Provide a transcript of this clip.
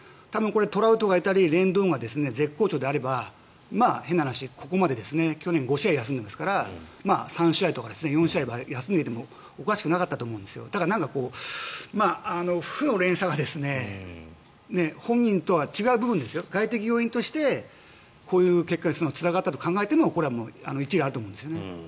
トラウトがいたりレンドンが絶好調であれば変な話、ここまで去年５試合休んでますから３試合とか４試合休んでいてもおかしくなかったと思うんですが、負の連鎖が本人とは違う部分で外的要因としてこういう結果につながったと考えてもこれは一理あると思うんですね。